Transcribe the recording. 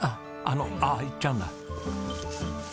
あのああ行っちゃうんだ。